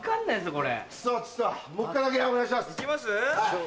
これ。